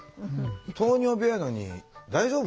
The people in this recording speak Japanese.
糖尿病やのに大丈夫？